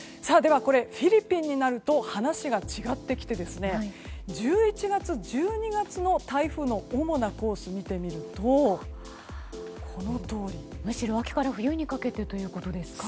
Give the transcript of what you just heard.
フィリピンになると話が変わってきて１１月、１２月の台風の主なコースを見てみると、このとおり。むしろ秋から冬にかけてということですか？